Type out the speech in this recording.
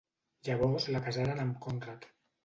Llavors la casaren amb Conrad.